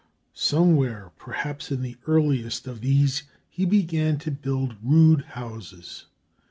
Somewhere, perhaps in the earliest of these, he began to build rude houses.